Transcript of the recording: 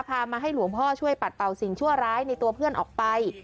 มาให้หลวงพ่อช่วยปัดเป่าสิ่งชั่วร้ายในตัวเพื่อนออกไป